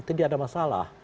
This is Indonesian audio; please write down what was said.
tidak ada masalah